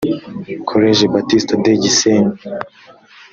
college baptiste de gisenyi